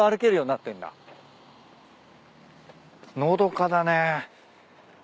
のどかだね。